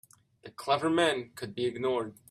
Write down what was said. The clever men could be ignored.